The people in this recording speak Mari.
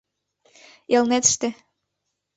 ЭЛНЕТЫШТЕ